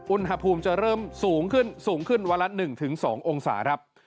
อุณหภูมิจะเริ่มสูงขึ้นสูงขึ้นวันละ๑๒องศาครับ